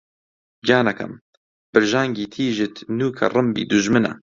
گیانەکەم! برژانگی تیژت نووکە ڕمبی دوژمنە